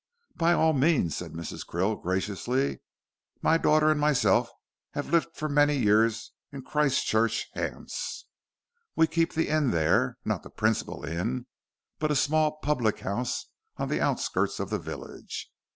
"By all means," said Mrs. Krill, graciously. "My daughter and myself have lived for many years in Christchurch, Hants. We keep the inn there not the principal inn, but a small public house on the outskirts of the village.